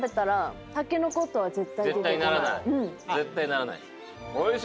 絶対ならない。